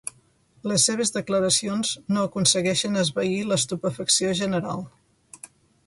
Les seves declaracions no aconsegueixen esvair l'estupefacció general.